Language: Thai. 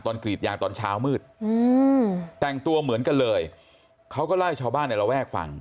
กรีดยางตอนเช้ามืดแต่งตัวเหมือนกันเลยเขาก็เล่าให้ชาวบ้านในระแวกฟัง